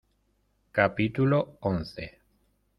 capítulo once.